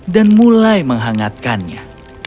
dan mulai menghangatkannya